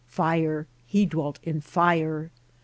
Fire !— he dwelt in fire.